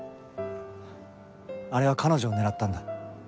あれは彼女を狙ったんだ。